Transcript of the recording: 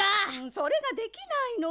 それができないの。